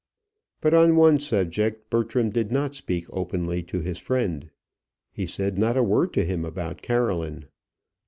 But on one subject Bertram did not speak openly to his friend. He said not a word to him about Caroline.